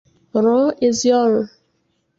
rụọ ezi ọrụ